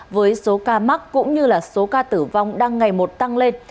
với số ca mắc cũng như là số ca tử vong đang ngày một tăng lên